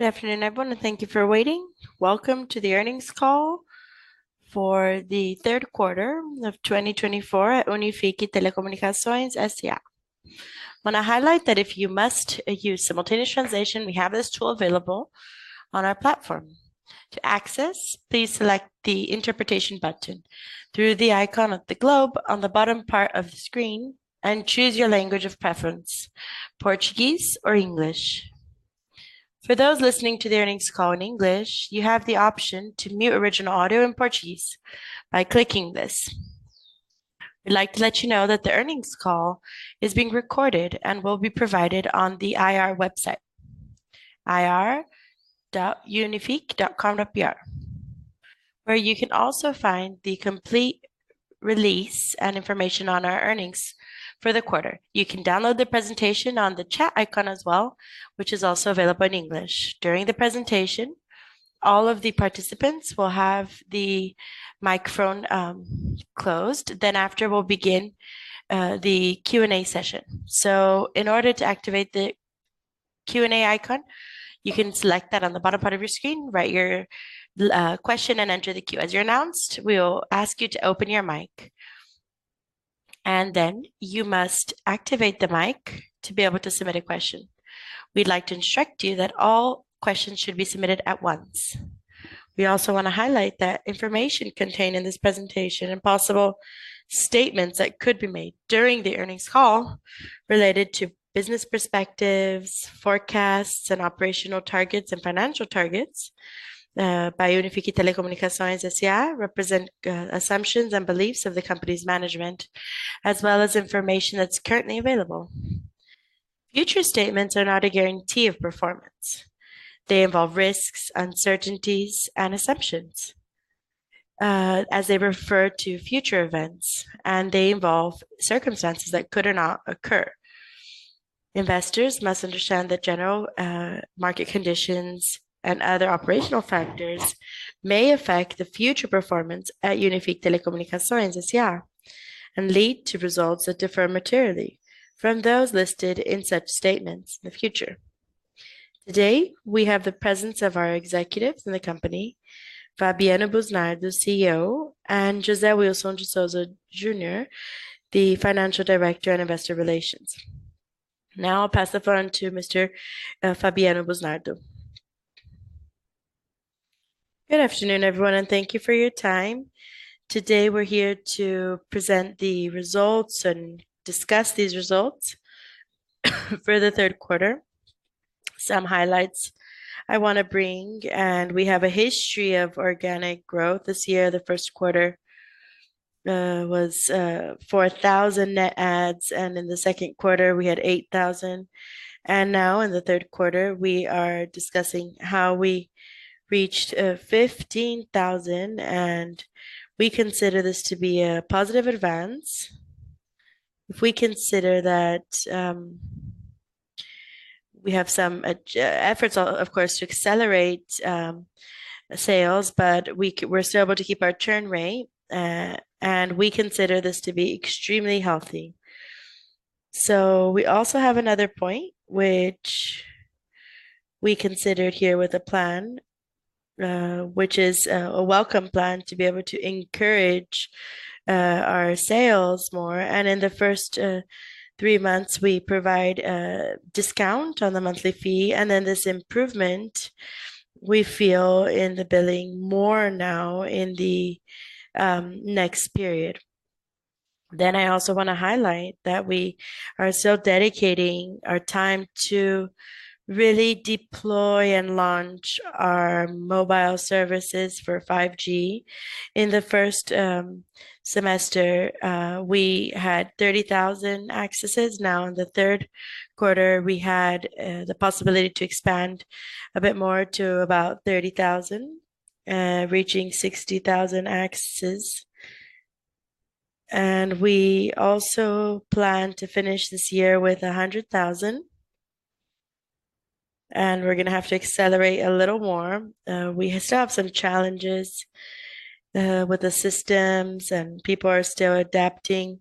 Good afternoon, everyone, and thank you for waiting. Welcome to the earnings call for the Q3 of 2024 at Unifique Telecomunicações S.A. I wanna highlight that if you must use simultaneous translation, we have this tool available on our platform. To access, please select the interpretation button through the icon of the globe on the bottom part of the screen and choose your language of preference, Portuguese or English. For those listening to the earnings call in English, you have the option to mute original audio in Portuguese by clicking this. We'd like to let you know that the earnings call is being recorded and will be provided on the IR website, ir.unifique.com.br, where you can also find the complete release and information on our earnings for the quarter. You can download the presentation on the chat icon as well, which is also available in English. During the presentation, all of the participants will have the microphone closed. After, we'll begin the Q&A session. In order to activate the Q&A icon, you can select that on the bottom part of your screen, write your question and enter the queue. As you're announced, we will ask you to open your mic, and then you must activate the mic to be able to submit a question. We'd like to instruct you that all questions should be submitted at once. We also wanna highlight that information contained in this presentation and possible statements that could be made during the earnings call related to business perspectives, forecasts, and operational targets and financial targets by Unifique Telecomunicações S.A. represent assumptions and beliefs of the company's management, as well as information that's currently available. Future statements are not a guarantee of performance. They involve risks, uncertainties, and assumptions, as they refer to future events, and they involve circumstances that could or not occur. Investors must understand that general market conditions and other operational factors may affect the future performance at Unifique Telecomunicações S.A. and lead to results that differ materially from those listed in such statements in the future. Today, we have the presence of our executives in the company, Fabiano Busnardo, CEO, and José Wilson de Souza Jr., the financial director and investor relations. Now I'll pass the phone to Mr. Fabiano Busnardo. Good afternoon, everyone, and thank you for your time. Today, we're here to present the results and discuss these results for the Q3. Some highlights I wanna bring, and we have a history of organic growth. This year, the Q1 was 4,000 net adds, and in the Q2, we had 8,000. Now in the Q3, we are discussing how we reached 15,000, and we consider this to be a positive advance. If we consider that, we have some efforts, of course, to accelerate sales, but we're still able to keep our churn rate, and we consider this to be extremely healthy. We also have another point which we considered here with a plan, which is a welcome plan to be able to encourage our sales more. In the first three months, we provide a discount on the monthly fee, and then this improvement, we feel in the billing more now in the next period. I also wanna highlight that we are still dedicating our time to really deploy and launch our mobile services for 5G. In the first semester, we had 30,000 accesses. Now in the Q3, we had the possibility to expand a bit more to about 30,000, reaching 60,000 accesses. We also plan to finish this year with 100,000, and we're gonna have to accelerate a little more. We still have some challenges with the systems, and people are still adapting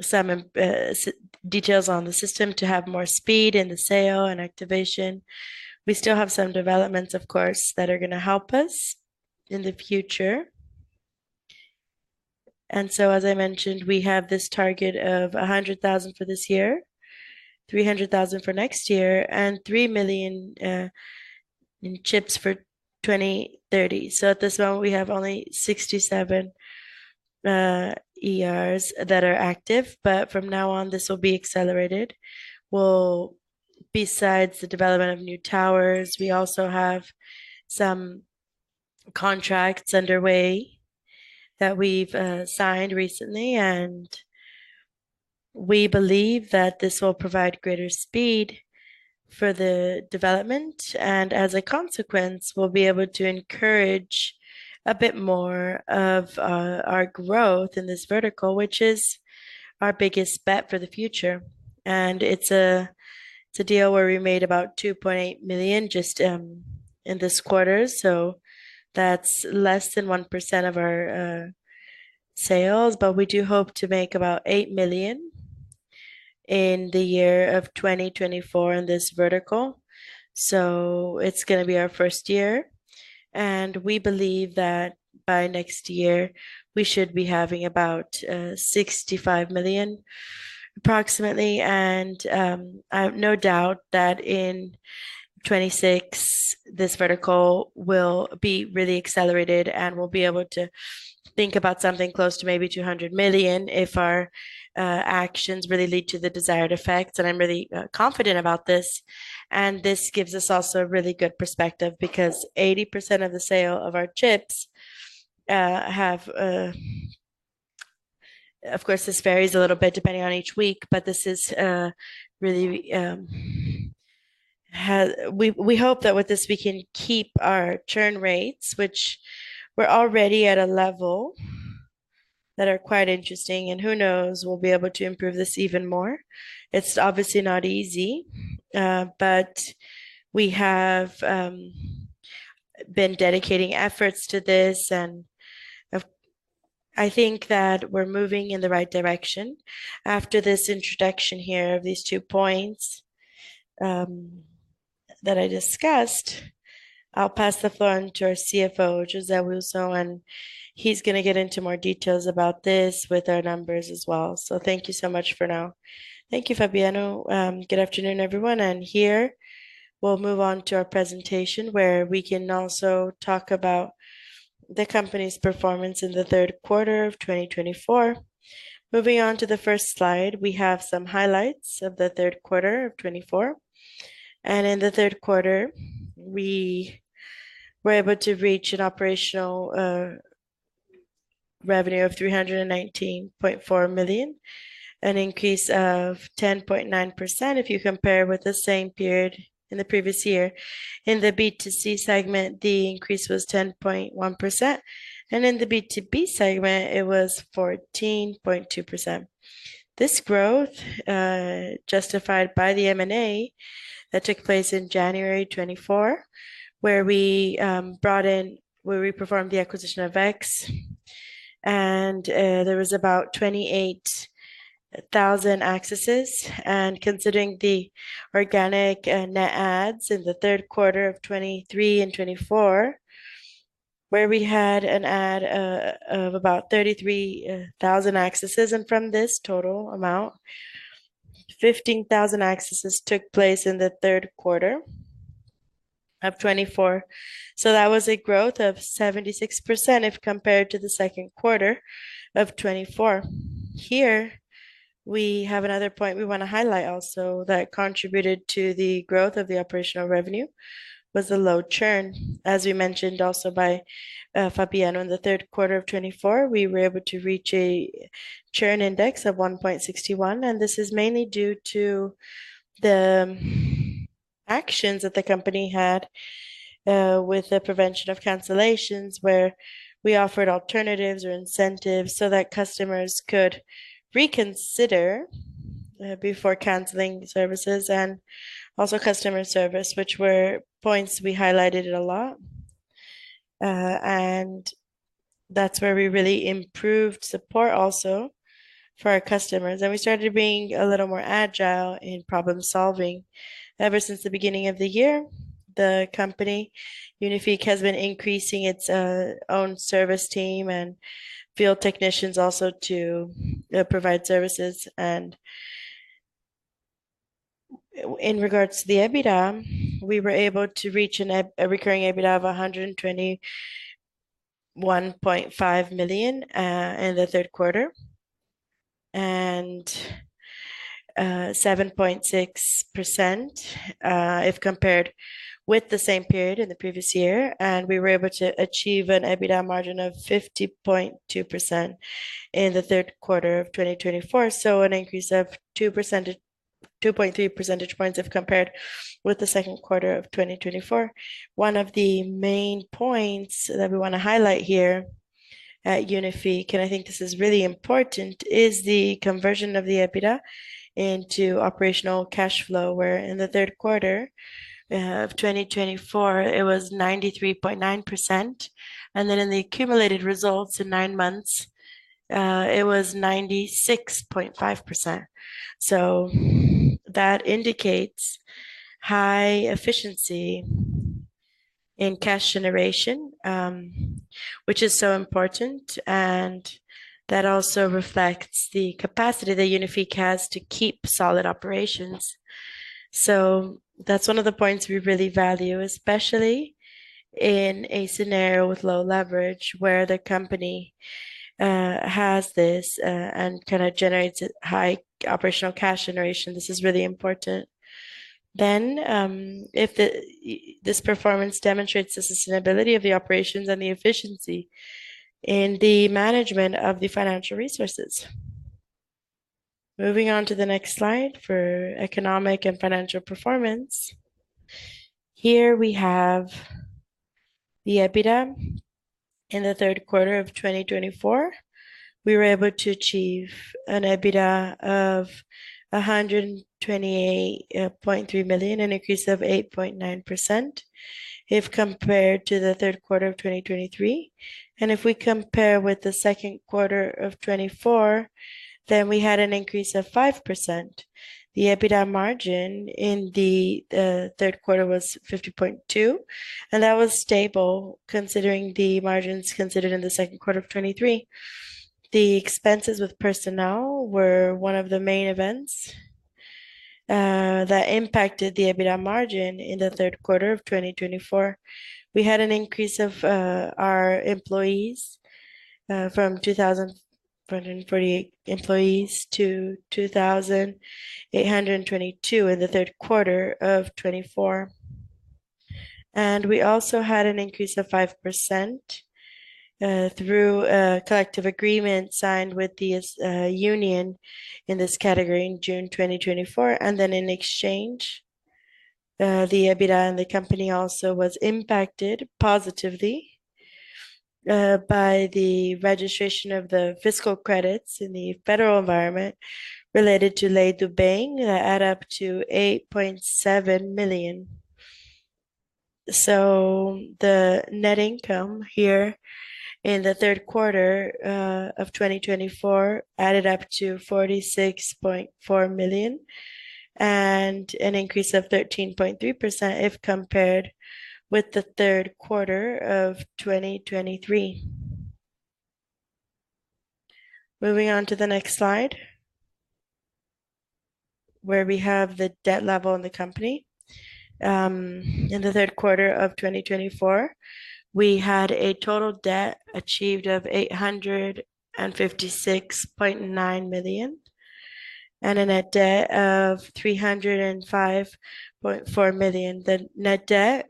some system details on the system to have more speed in the sale and activation. We still have some developments, of course, that are gonna help us in the future. As I mentioned, we have this target of 100,000 for this year, 300,000 for next year, and 3 million chips for 2030. At this moment, we have only 67 ERBs that are active, but from now on, this will be accelerated. Besides the development of new towers, we also have some contracts underway that we've signed recently, and we believe that this will provide greater speed for the development. As a consequence, we'll be able to encourage a bit more of our growth in this vertical, which is our biggest bet for the future. It's a deal where we made 2.8 million just in this quarter. That's less than 1% of our sales. We do hope to make about 8 million in the year of 2024 in this vertical. It's gonna be our first year, and we believe that by next year we should be having about 65 million approximately. I have no doubt that in 2026 this vertical will be really accelerated, and we'll be able to think about something close to maybe 200 million if our actions really lead to the desired effect. I'm really confident about this. This gives us also a really good perspective because 80% of the sale of our chips have. Of course, this varies a little bit depending on each week, but this is really we hope that with this we can keep our churn rates, which we're already at a level that are quite interesting, and who knows, we'll be able to improve this even more. It's obviously not easy, but we have been dedicating efforts to this, and I think that we're moving in the right direction. After this introduction here of these two points, that I discussed, I'll pass the floor on to our CFO, José Wilson de Souza Jr., and he's gonna get into more details about this with our numbers as well. Thank you so much for now. Thank you, Fabiano Busnardo. Good afternoon, everyone. Here we'll move on to our presentation where we can also talk about the company's performance in the Q3 of 2024. Moving on to the first slide, we have some highlights of the Q3 of 2024. In the Q3, we were able to reach an operational revenue of 319.4 million, an increase of 10.9% if you compare with the same period in the previous year. In the B2C segment, the increase was 10.1%, and in the B2B segment it was 14.2%. This growth justified by the M&A that took place in January 2024, where we performed the acquisition of X, and there was about 28,000 accesses. Considering the organic net adds in the Q3 of 2023 and 2024, where we had an add of about 33,000 accesses, and from this total amount, 15,000 accesses took place in the Q3 of 2024. That was a growth of 76% if compared to the Q2 of 2024. Here we have another point we wanna highlight also that contributed to the growth of the operational revenue, was the low churn. As we mentioned also by Fabiano, in the Q3 of 2024, we were able to reach a churn index of 1.61, and this is mainly due to the actions that the company had with the prevention of cancellations, where we offered alternatives or incentives so that customers could reconsider before canceling services. Also customer service, which were points we highlighted a lot. That's where we really improved support also for our customers, and we started being a little more agile in problem-solving. Ever since the beginning of the year, the company, Unifique, has been increasing its own service team and field technicians also to provide services. In regards to the EBITDA, we were able to reach a recurring EBITDA of 121.5 million in the Q3. 7.6% if compared with the same period in the previous year. We were able to achieve an EBITDA margin of 50.2% in the Q3 of 2024, so an increase of 2.3 percentage points if compared with the Q2 of 2024. One of the main points that we wanna highlight here at Unifique, and I think this is really important, is the conversion of the EBITDA into operational cash flow, where in the Q3 of 2024 it was 93.9%, and then in the accumulated results in nine months it was 96.5%. That indicates high efficiency in cash generation, which is so important, and that also reflects the capacity that Unifique has to keep solid operations. That's one of the points we really value, especially in a scenario with low leverage, where the company has this, and kinda generates a high operational cash generation. This is really important. This performance demonstrates the sustainability of the operations and the efficiency in the management of the financial resources. Moving on to the next slide for economic and financial performance. Here we have the EBITDA in the Q3 of 2024, we were able to achieve an EBITDA of 128.3 million, an increase of 8.9% if compared to the Q3 of 2023. If we compare with the Q2 of 2024, then we had an increase of 5%. The EBITDA margin in the Q3 was 50.2%, and that was stable considering the margins considered in the Q2 of 2023. The expenses with personnel were one of the main events that impacted the EBITDA margin in the Q3 of 2024. We had an increase of our employees from 2,448 employees to 2,822 in the Q3 of 2024. We also had an increase of 5% through a collective agreement signed with the union in this category in June 2024. In exchange, the EBITDA in the company also was impacted positively by the registration of the fiscal credits in the federal environment related to Lei do Bem that add up to 8.7 million. The net income here in the Q3 of 2024 added up to 46.4 million and an increase of 13.3% if compared with the Q3 of 2023. Moving on to the next slide, where we have the debt level in the company. In the Q3 of 2024, we had a total debt achieved of 856.9 million and a net debt of 305.4 million. The net debt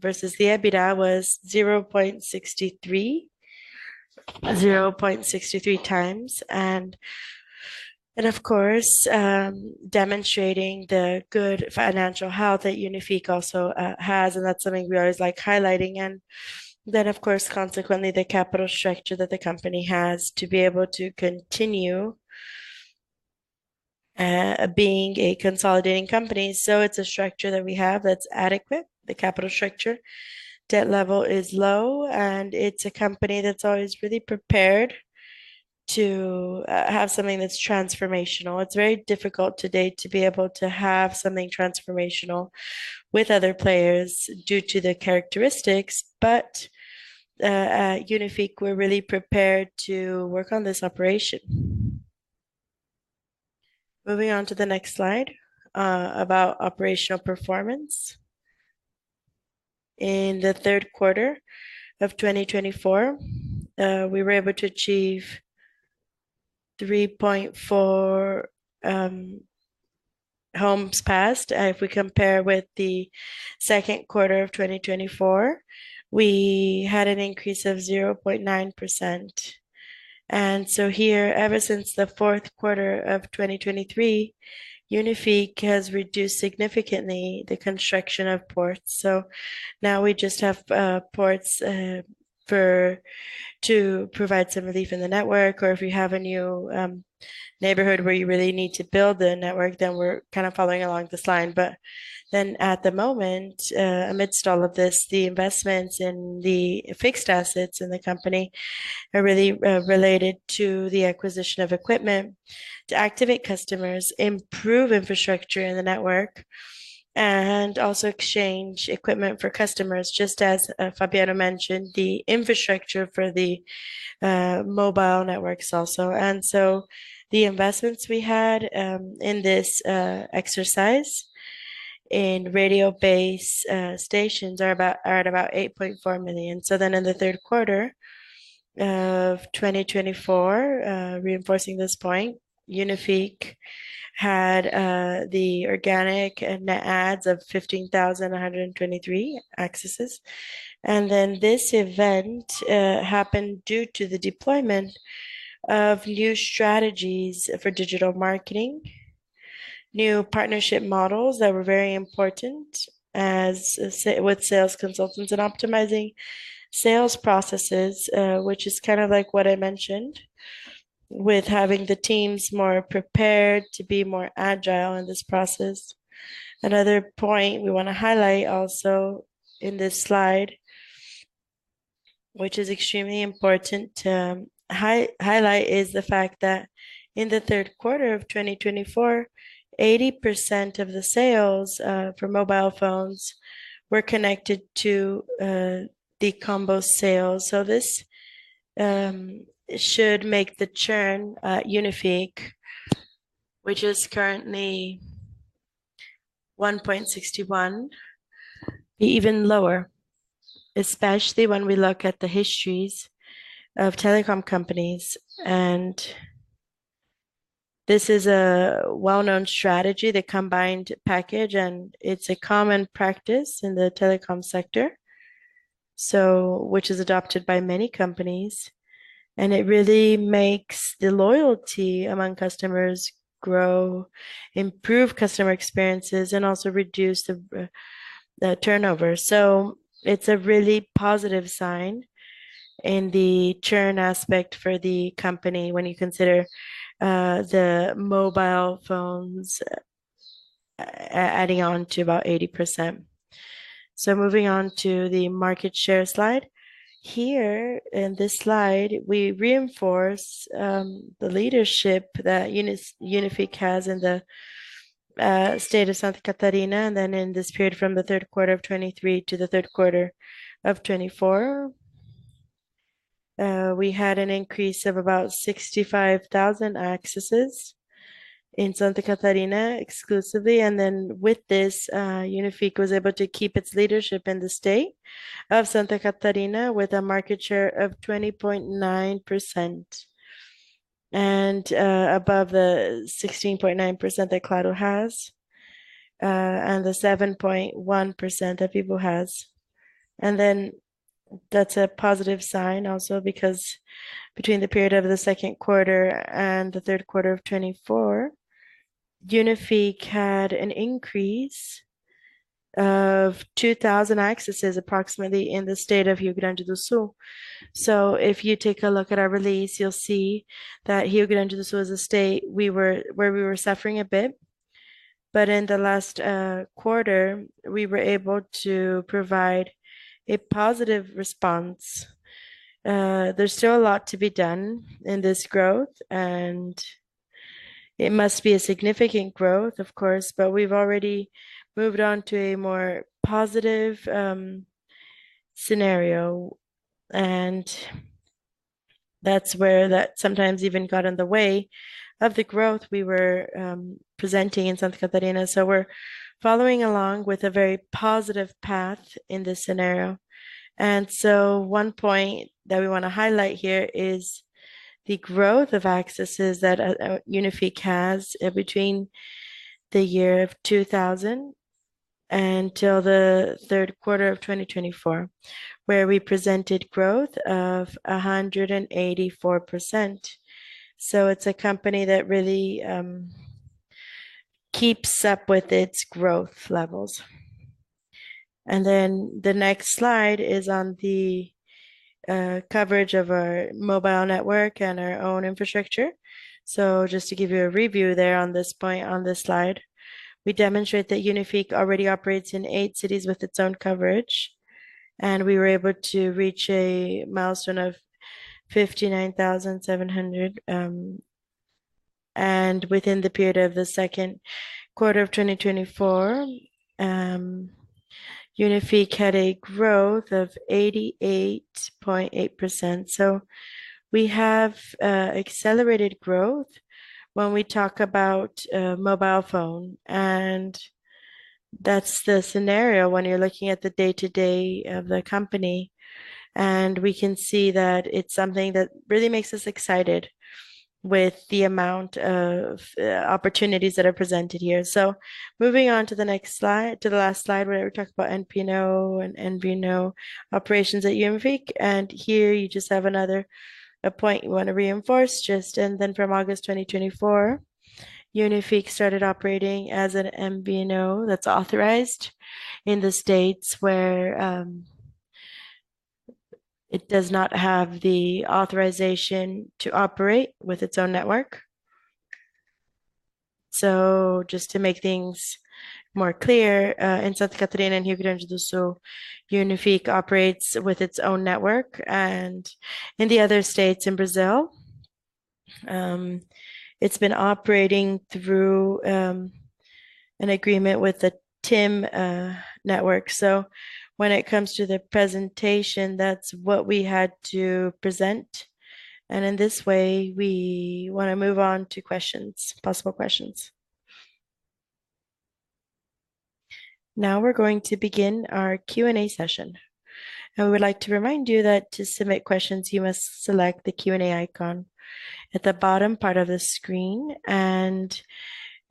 versus the EBITDA was 0.63x. Demonstrating the good financial health that Unifique also has, and that's something we always like highlighting. The capital structure that the company has to be able to continue being a consolidating company. It's a structure that we have that's adequate, the capital structure. Debt level is low, and it's a company that's always really prepared to have something that's transformational. It's very difficult today to be able to have something transformational with other players due to their characteristics, but at Unifique, we're really prepared to work on this operation. Moving on to the next slide about operational performance. In the Q3 of 2024, we were able to achieve 3.4 homes passed. If we compare with the Q2 of 2024, we had an increase of 0.9%. Here, ever since the Q4 2023, Unifique has reduced significantly the construction of ports. Now we just have ports to provide some relief in the network, or if we have a new neighborhood where you really need to build the network, then we're kind of following along this line. At the moment, amidst all of this, the investments in the fixed assets in the company are really related to the acquisition of equipment to activate customers, improve infrastructure in the network, and also exchange equipment for customers, just as Fabiano mentioned, the infrastructure for the mobile networks also. The investments we had in this exercise in radio base stations are at about 8.4 million. In the Q3 of 2024, reinforcing this point, Unifique had the organic net adds of 15,123 accesses. This event happened due to the deployment of new strategies for digital marketing, new partnership models that were very important with sales consultants, and optimizing sales processes, which is kind of like what I mentioned with having the teams more prepared to be more agile in this process. Another point we want to highlight also in this slide, which is extremely important to highlight, is the fact that in the Q3 of 2024, 80% of the sales for mobile phones were connected to the combo sales. This should make the churn at Unifique, which is currently 1.61%, be even lower, especially when we look at the histories of telecom companies. This is a well-known strategy, the combined package, and it's a common practice in the telecom sector. Which is adopted by many companies, and it really makes the loyalty among customers grow, improve customer experiences, and also reduce the turnover. It's a really positive sign in the churn aspect for the company when you consider the mobile phones adding on to about 80%. Moving on to the market share slide. Here in this slide, we reinforce the leadership that Unifique has in the state of Santa Catarina. In this period from the Q3 of 2023 to the Q3 of 2024, we had an increase of about 65,000 accesses in Santa Catarina exclusively. With this, Unifique was able to keep its leadership in the state of Santa Catarina with a market share of 20.9%. above the 16.9% that Claro has, and the 7.1% that Vivo has. That's a positive sign also because between the period of the Q2 and the Q3 of 2024, Unifique had an increase of approximately 2,000 accesses in the state of Rio Grande do Sul. If you take a look at our release, you'll see that Rio Grande do Sul is a state where we were suffering a bit. But in the last quarter, we were able to provide a positive response. There's still a lot to be done in this growth, and it must be a significant growth, of course, but we've already moved on to a more positive scenario, and that's where that sometimes even got in the way of the growth we were presenting in Santa Catarina. We're following along with a very positive path in this scenario. One point that we wanna highlight here is the growth of accesses that Unifique has between the year of 2000 until the Q3 of 2024, where we presented growth of 184%. It's a company that really keeps up with its growth levels. The next slide is on the coverage of our mobile network and our own infrastructure. Just to give you a review there on this point, on this slide, we demonstrate that Unifique already operates in 8 cities with its own coverage, and we were able to reach a milestone of 59,700. Within the period of the Q2 of 2024, Unifique had a growth of 88.8%. We have accelerated growth when we talk about mobile phone. That's the scenario when you're looking at the day-to-day of the company, and we can see that it's something that really makes us excited with the amount of opportunities that are presented here. Moving on to the next slide, to the last slide where we talk about MNO and MVNO operations at Unifique. Here you just have another point we wanna reinforce just. Then from August 2024, Unifique started operating as an MVNO that's authorized in the states where it does not have the authorization to operate with its own network. Just to make things more clear, in Santa Catarina and Rio Grande do Sul, Unifique operates with its own network. In the other states in Brazil, it's been operating through an agreement with the TIM network. When it comes to the presentation, that's what we had to present. In this way, we wanna move on to questions, possible questions. Now we're going to begin our Q&A session. We would like to remind you that to submit questions, you must select the Q&A icon at the bottom part of the screen and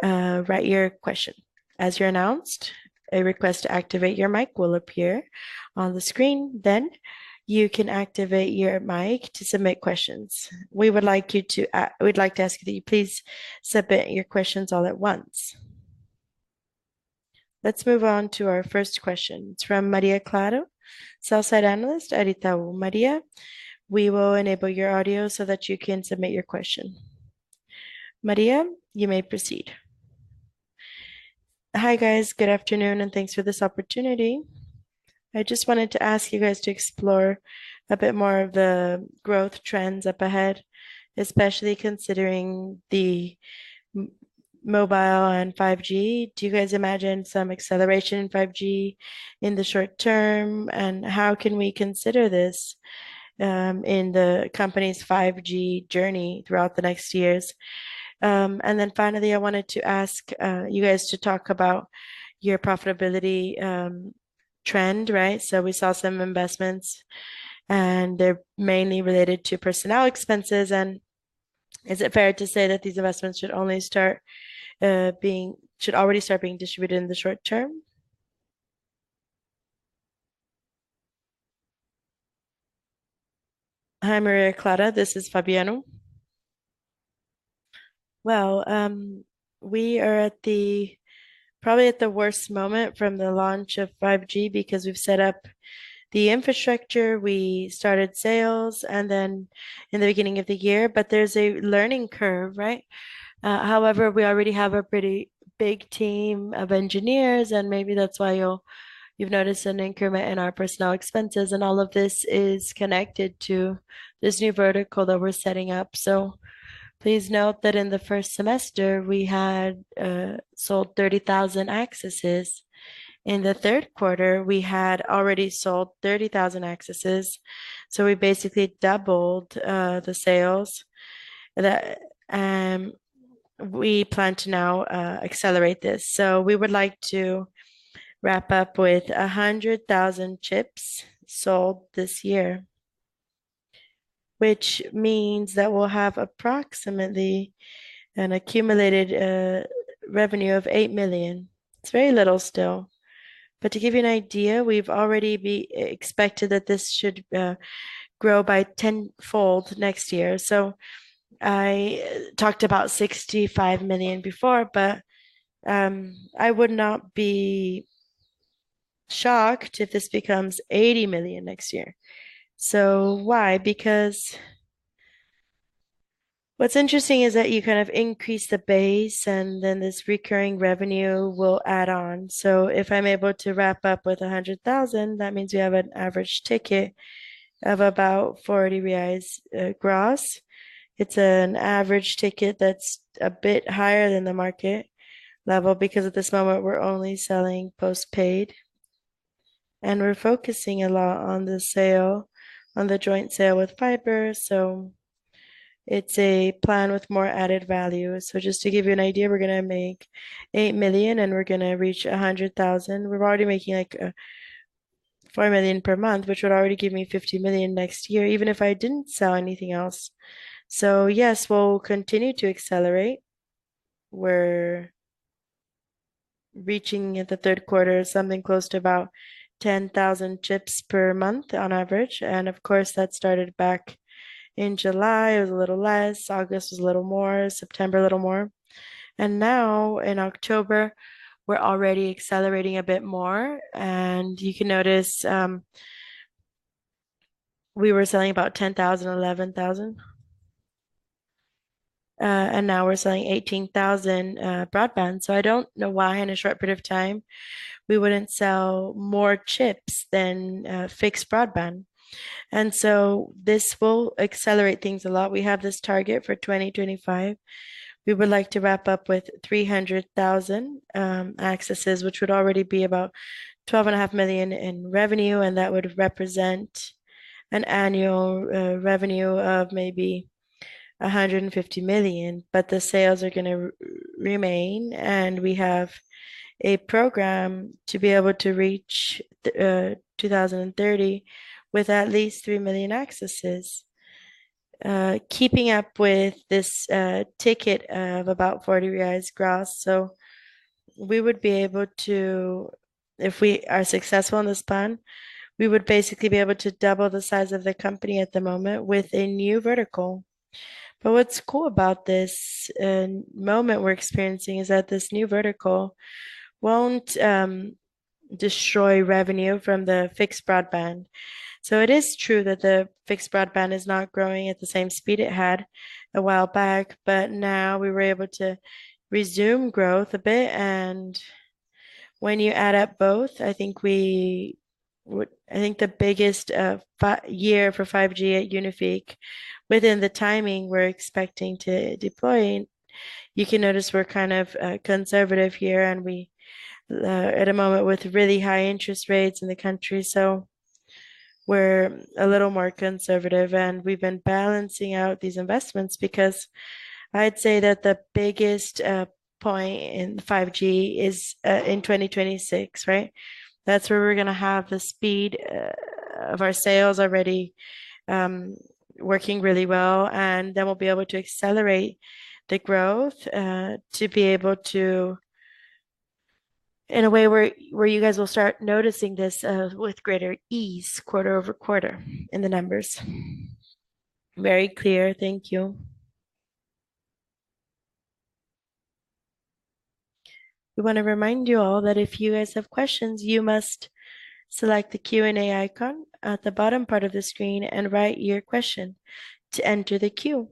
write your question. As you're announced, a request to activate your mic will appear on the screen, then you can activate your mic to submit questions. We'd like to ask that you please submit your questions all at once. Let's move on to our first question. It's from Maria Clara, sell-side analyst at Itaú. Maria, we will enable your audio so that you can submit your question. Maria, you may proceed. Hi, guys. Good afternoon, and thanks for this opportunity. I just wanted to ask you guys to explore a bit more of the growth trends up ahead, especially considering the mobile and 5G. Do you guys imagine some acceleration in 5G in the short term, and how can we consider this in the company's 5G journey throughout the next years? Finally, I wanted to ask you guys to talk about your profitability trend, right? We saw some investments, and they're mainly related to personnel expenses. Is it fair to say that these investments should already start being distributed in the short term? Hi, Maria Clara. This is Fabiano. Well, we are probably at the worst moment from the launch of 5G because we've set up the infrastructure, we started sales, and then in the beginning of the year, but there's a learning curve, right? However, we already have a pretty big team of engineers, and maybe that's why you've noticed an increment in our personnel expenses, and all of this is connected to this new vertical that we're setting up. Please note that in the first semester, we had sold 30,000 accesses. In the Q3, we had already sold 30,000 accesses, so we basically doubled the sales that we plan to now accelerate this. We would like to wrap up with 100,000 chips sold this year, which means that we'll have approximately an accumulated revenue of 8 million. It's still very little. To give you an idea, we've already expected that this should grow by tenfold next year. I talked about 65 million before, but I would not be shocked if this becomes 80 million next year. Why? Because what's interesting is that you kind of increase the base, and then this recurring revenue will add on. If I'm able to wrap up with 100,000, that means we have an average ticket of about 40 reais, gross. It's an average ticket that's a bit higher than the market level because at this moment we're only selling post-paid, and we're focusing a lot on the joint sale with Fiber, so it's a plan with more added value. Just to give you an idea, we're gonna make 8 million, and we're gonna reach 100,000. We're already making, like, 4 million per month, which would already give me 50 million next year, even if I didn't sell anything else. Yes, we'll continue to accelerate. We're reaching in the Q3 something close to about 10,000 chips per month on average. Of course, that started back in July. It was a little less. August was a little more. September, a little more. Now in October, we're already accelerating a bit more. You can notice, we were selling about 10,000, 11,000, and now we're selling 18,000 broadband. I don't know why in a short period of time we wouldn't sell more chips than fixed broadband. This will accelerate things a lot. We have this target for 2025. We would like to wrap up with 300,000 accesses, which would already be about 12.5 million in revenue, and that would represent an annual revenue of maybe 150 million. The sales are gonna remain, and we have a program to be able to reach 2030 with at least 3 million accesses, keeping up with this ticket of about 40 reais gross. We would be able to. If we are successful in this plan, we would basically be able to double the size of the company at the moment with a new vertical. What's cool about this moment we're experiencing is that this new vertical won't destroy revenue from the fixed broadband. It is true that the fixed broadband is not growing at the same speed it had a while back, but now we were able to resume growth a bit. When you add up both, I think the biggest year for 5G at Unifique within the timing we're expecting to deploy, you can notice we're kind of conservative here, and we at a moment with really high interest rates in the country, so we're a little more conservative. We've been balancing out these investments because I'd say that the biggest point in 5G is in 2026, right? That's where we're gonna have the speed of our sales already working really well, and then we'll be able to accelerate the growth to be able to in a way where you guys will start noticing this with greater ease quarter-over-quarter in the numbers. Very clear. Thank you. We want to remind you all that if you guys have questions, you must select the Q&A icon at the bottom part of the screen and write your question to enter the queue.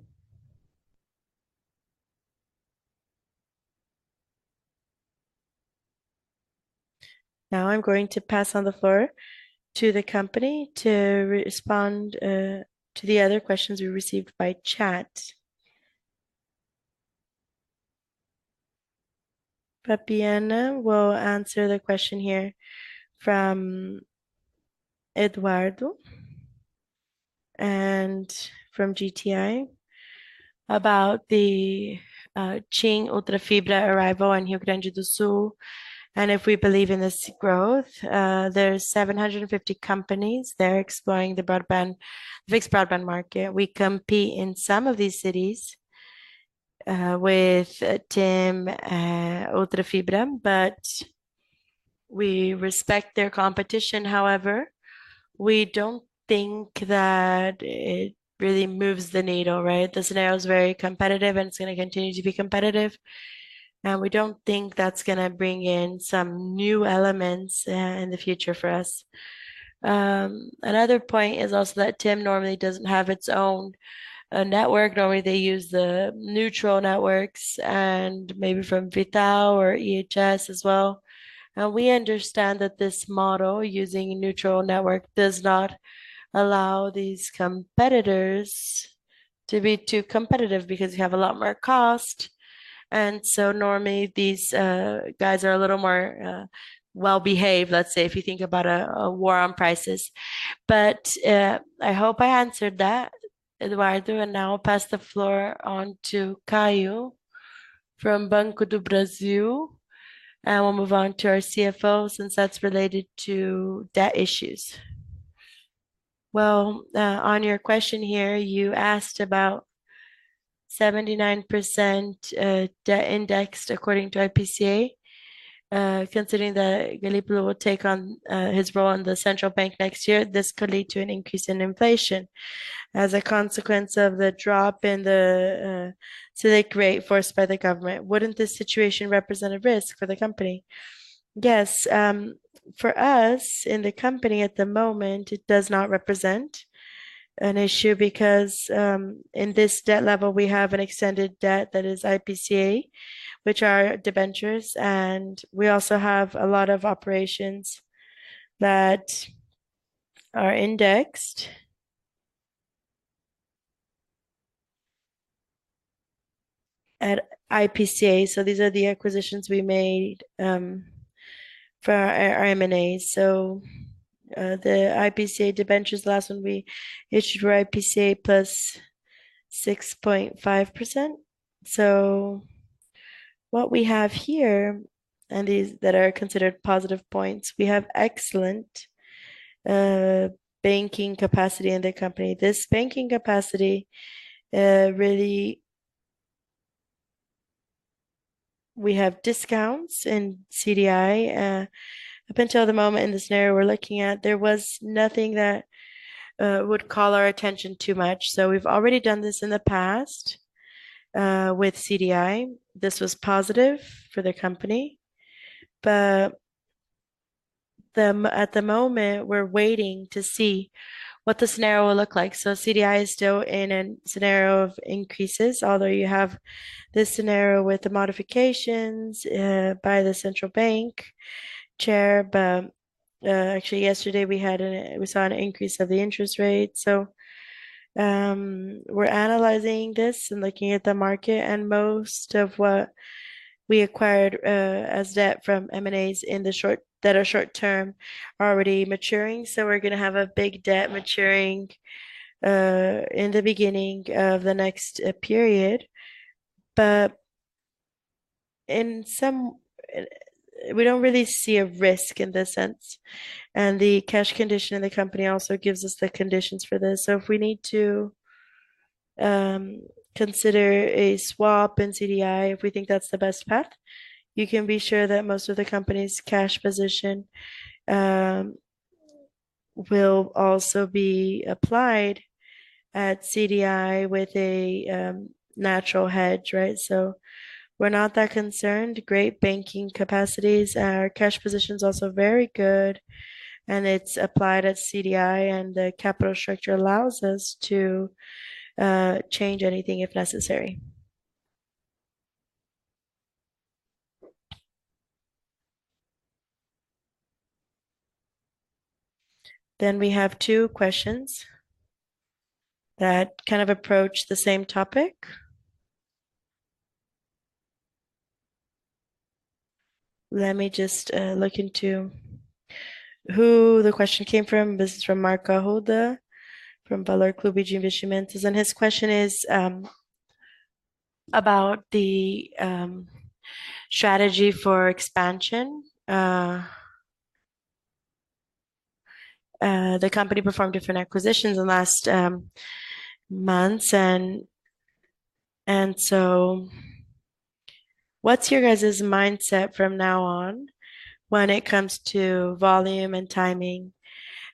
Now I'm going to pass on the floor to the company to respond to the other questions we received by chat. Fabiano will answer the question here from Eduardo and from GDI about the TIM Ultrafibra arrival in Rio Grande do Sul and if we believe in this growth. There's 750 companies. They're exploring the fixed broadband market. We compete in some of these cities with TIM Ultrafibra, but we respect their competition. However, we don't think that it really moves the needle, right? The scenario is very competitive, and it's gonna continue to be competitive. We don't think that's gonna bring in some new elements in the future for us. Another point is also that TIM normally doesn't have its own network. Normally, they use the neutral networks and maybe from V.tal or IHS as well. We understand that this model using neutral network does not allow these competitors to be too competitive because you have a lot more cost. Normally, these guys are a little more well-behaved, let's say, if you think about a war on prices. I hope I answered that, Eduardo. Now I'll pass the floor on to Caio from Banco do Brasil, and we'll move on to our CFO since that's related to debt issues. On your question here, you asked about 79% debt indexed according to IPCA. Considering that Gabriel Galípolo will take on his role in the Central Bank next year, this could lead to an increase in inflation as a consequence of the drop in the Selic rate forced by the government. Wouldn't this situation represent a risk for the company? Yes. For us in the company at the moment, it does not represent an issue because in this debt level, we have an extended debt that is IPCA, which are debentures, and we also have a lot of operations that are indexed at IPCA. These are the acquisitions we made for our M&As. The IPCA debentures, last one we issued were IPCA + 6.5%. What we have here, and these that are considered positive points, we have excellent banking capacity in the company. This banking capacity really... We have discounts in CDI. Up until the moment in the scenario we're looking at, there was nothing that would call our attention too much. We've already done this in the past with CDI. This was positive for the company. At the moment, we're waiting to see what the scenario will look like. CDI is still in a scenario of increases, although you have this scenario with the modifications by the central bank chair. Actually yesterday we saw an increase of the interest rate. We're analyzing this and looking at the market, and most of what we acquired as debt from M&As that are short-term are already maturing. We're gonna have a big debt maturing in the beginning of the next period. We don't really see a risk in this sense, and the cash condition in the company also gives us the conditions for this. If we need to consider a swap in CDI, if we think that's the best path, you can be sure that most of the company's cash position will also be applied at CDI with a natural hedge, right? We're not that concerned. Great banking capacities. Our cash position's also very good, and it's applied at CDI, and the capital structure allows us to change anything if necessary. We have two questions that kind of approach the same topic. Let me just look into who the question came from. This is from Marco Hoda from Valor Econômico Investimentos, and his question is about the strategy for expansion. The company performed different acquisitions in the last months. What's your guys' mindset from now on when it comes to volume and timing?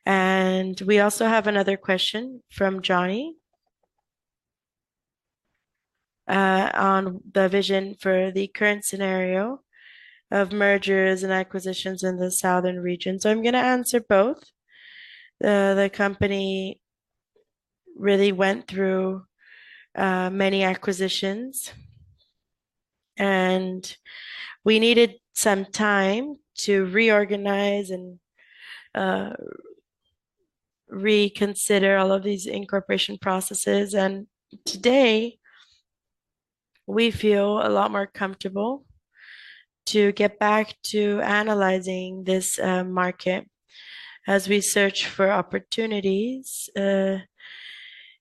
We also have another question from Johnny on the vision for the current scenario of mergers and acquisitions in the southern region. I'm gonna answer both. The company really went through many acquisitions, and we needed some time to reorganize and reconsider all of these incorporation processes. Today, we feel a lot more comfortable to get back to analyzing this market as we search for opportunities,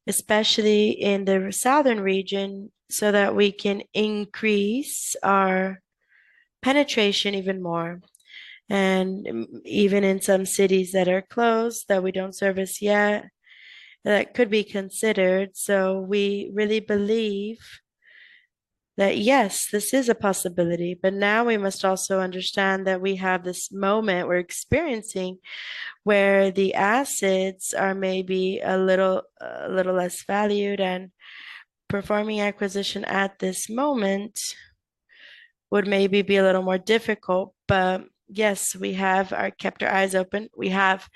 especially in the southern region, so that we can increase our penetration even more, and even in some cities that are closed, that we don't service yet, that could be considered. We really believe that, yes, this is a possibility. Now we must also understand that we have this moment we're experiencing where the assets are maybe a little less valued, and performing acquisition at this moment would maybe be a little more difficult. Yes, we have kept our eyes open. We have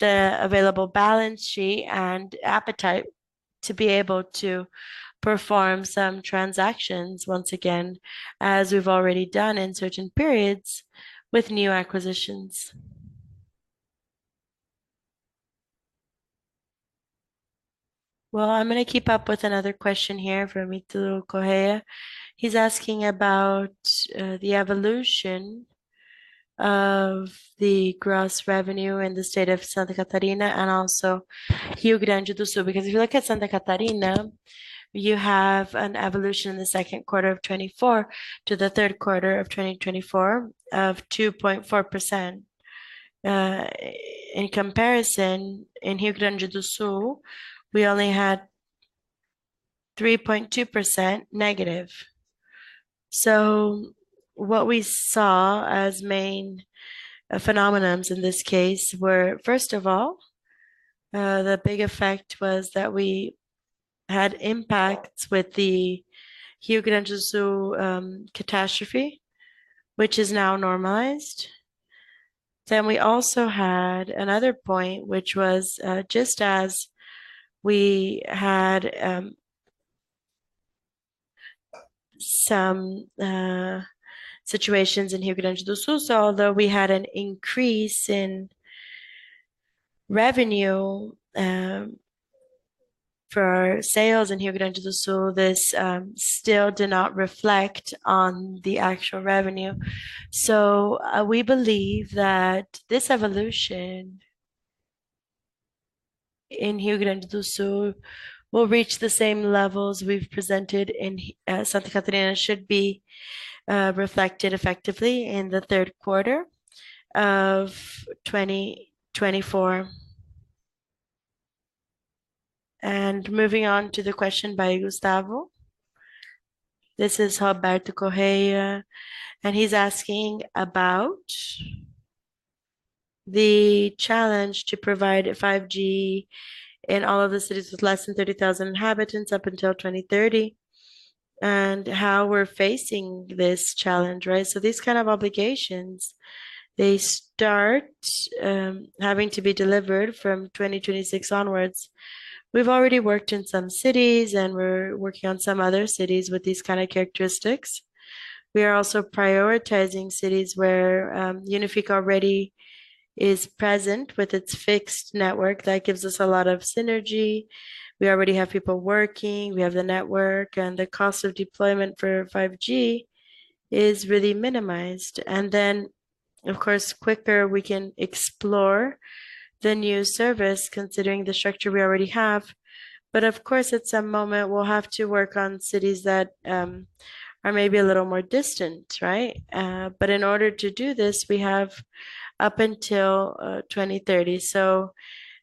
the available balance sheet and appetite to be able to perform some transactions once again, as we've already done in certain periods with new acquisitions. Well, I'm gonna pick up another question here from Mitul Correa. He's asking about the evolution of the gross revenue in the state of Santa Catarina and also Rio Grande do Sul. Because if you look at Santa Catarina, you have an evolution in the Q2 of 2024 to the Q3 of 2024 of 2.4%. In comparison, in Rio Grande do Sul, we only had 3.2% negative. What we saw as main phenomena in this case were, first of all, the big effect was that we had impacts with the Rio Grande do Sul catastrophe, which is now normalized. We also had another point, which was, just as we had, some situations in Rio Grande do Sul. Although we had an increase in revenue for our sales in Rio Grande do Sul, this still did not reflect on the actual revenue. We believe that this evolution in Rio Grande do Sul will reach the same levels we've presented in Santa Catarina, should be reflected effectively in the Q3 of 2024. Moving on to the question by Gustavo. This is Roberto Correa, and he's asking about the challenge to provide a 5G in all of the cities with less than 30,000 inhabitants up until 2030, and how we're facing this challenge, right? These kind of obligations, they start having to be delivered from 2026 onwards. We've already worked in some cities, and we're working on some other cities with these kind of characteristics. We are also prioritizing cities where Unifique already is present with its fixed network. That gives us a lot of synergy. We already have people working. We have the network, and the cost of deployment for 5G is really minimized. Of course, quicker we can explore the new service considering the structure we already have. Of course, at some moment we'll have to work on cities that are maybe a little more distant, right? In order to do this, we have up until 2030.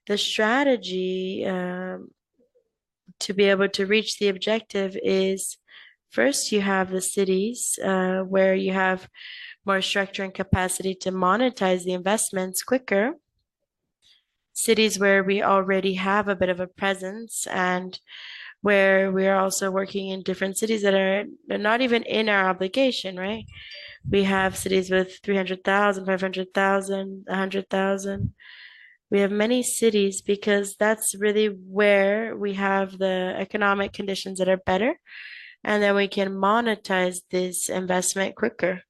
The strategy to be able to reach the objective is, first you have the cities where you have more structure and capacity to monetize the investments quicker, cities where we already have a bit of a presence, and where we are also working in different cities that are not even in our obligation, right? We have cities with 300,000, 500,000, 100,000. We have many cities because that's really where we have the economic conditions that are better, and then we can monetize this investment quicker.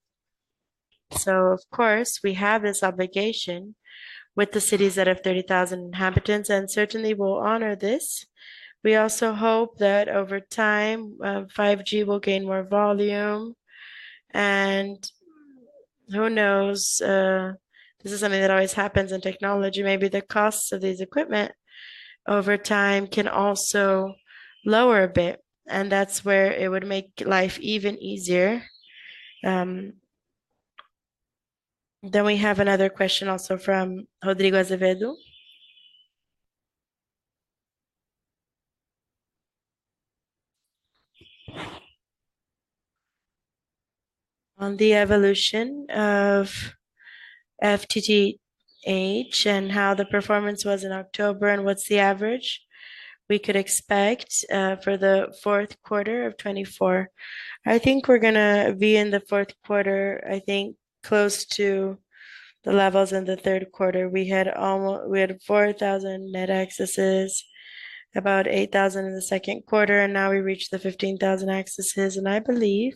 Of course, we have this obligation with the cities that have 30,000 inhabitants, and certainly we'll honor this. We also hope that over time, 5G will gain more volume, and who knows? This is something that always happens in technology. Maybe the costs of these equipment over time can also lower a bit, and that's where it would make life even easier. We have another question also from Rodrigo Azevedo. On the evolution of FTTH and how the performance was in October, and what's the average we could expect for the Q4 2024. I think we're gonna be in the Q4, I think close to the levels in the Q3. We had 4,000 net accesses, about 8,000 in the Q2, and now we reached the 15,000 accesses. I believe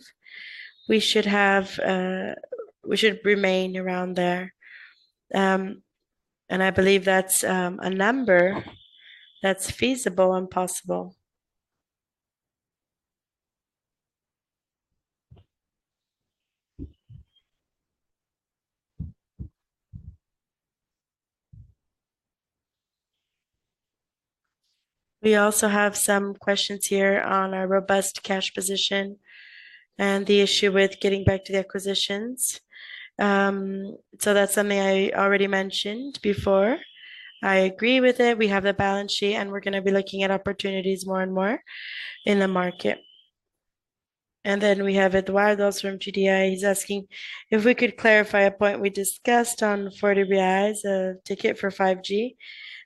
we should have, we should remain around there. I believe that's a number that's feasible and possible. We also have some questions here on our robust cash position and the issue with getting back to the acquisitions. That's something I already mentioned before. I agree with it. We have the balance sheet, and we're gonna be looking at opportunities more and more in the market. Then we have Eduardo from GDI. He's asking if we could clarify a point we discussed on 40 ticket for 5G,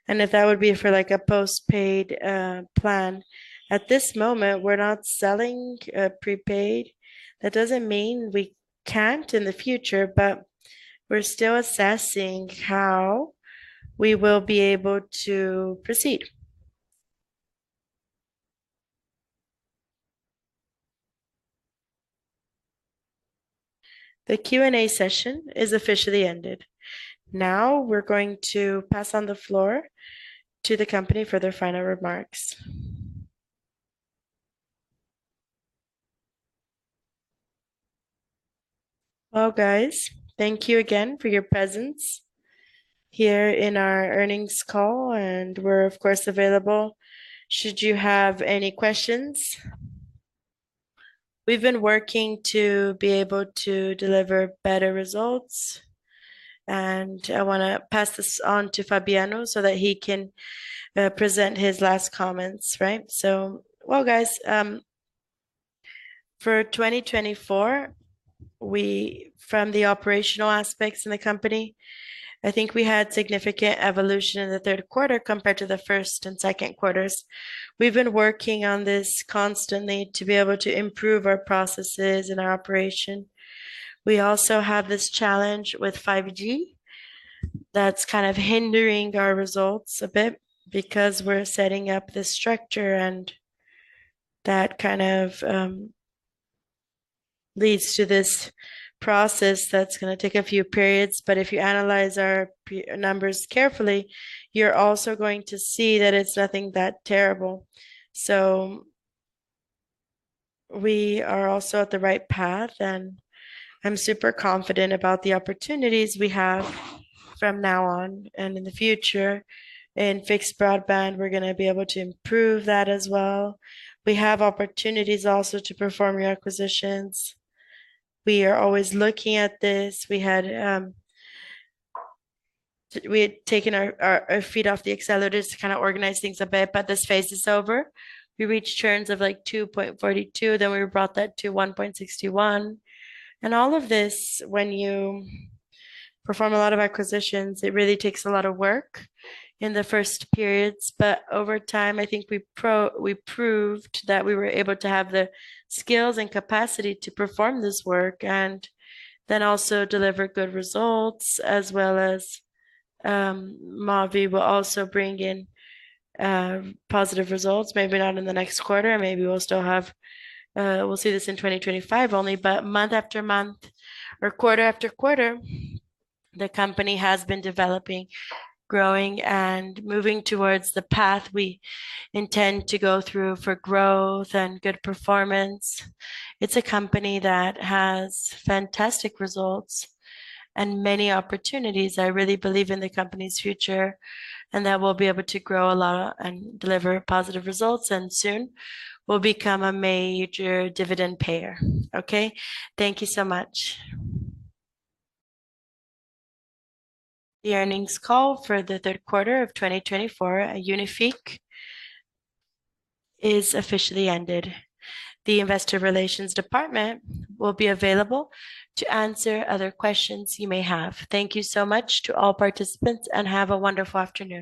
and if that would be for, like, a post-paid plan. At this moment, we're not selling prepaid. That doesn't mean we can't in the future, but we're still assessing how we will be able to proceed. The Q&A session is officially ended. Now we're going to pass on the floor to the company for their final remarks. Well, guys, thank you again for your presence here in our earnings call, and we're of course available should you have any questions. We've been working to be able to deliver better results, and I wanna pass this on to Fabiano so that he can present his last comments. Right? Well, guys, for 2024, from the operational aspects in the company, I think we had significant evolution in the Q3 compared to the first and Q2s. We've been working on this constantly to be able to improve our processes and our operation. We also have this challenge with 5G that's kind of hindering our results a bit because we're setting up the structure and that kind of leads to this process that's gonna take a few periods. If you analyze our P&L numbers carefully, you're also going to see that it's nothing that terrible. We are also at the right path, and I'm super confident about the opportunities we have from now on and in the future. In fixed broadband, we're gonna be able to improve that as well. We have opportunities also to perform re-acquisitions. We are always looking at this. We had taken our feet off the accelerators to kinda organize things a bit, but this phase is over. We reached churns of, like, 2.42%, then we brought that to 1.61%. All of this, when you perform a lot of acquisitions, it really takes a lot of work in the first periods. Over time, I think we proved that we were able to have the skills and capacity to perform this work and then also deliver good results as well as M&A will also bring in positive results, maybe not in the next quarter, maybe we'll still have, we'll see this in 2025 only. Month after month or quarter after quarter, the company has been developing, growing, and moving towards the path we intend to go through for growth and good performance. It's a company that has fantastic results and many opportunities. I really believe in the company's future, and that we'll be able to grow a lot and deliver positive results, and soon we'll become a major dividend payer. Okay. Thank you so much. The earnings call for the Q3 of 2024 at Unifique is officially ended. The investor relations department will be available to answer other questions you may have. Thank you so much to all participants, and have a wonderful afternoon.